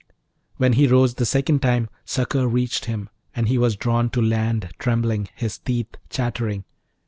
When he rose the second time, succour reached him, and he was drawn to land trembling, his teeth chattering.